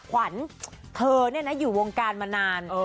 ขวัญเธอเนี่ยนะอยู่วงการมานาน